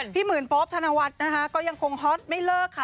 หมื่นโป๊ปธนวัฒน์นะคะก็ยังคงฮอตไม่เลิกค่ะ